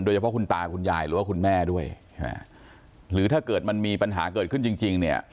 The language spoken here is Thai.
โดยเฉพาะคุณตาคุณยายหรือว่าคุณแม่ด้วยใช่ไหมหรือถ้าเกิดมันมีปัญหาเกิดขึ้นจริงจริงเนี่ย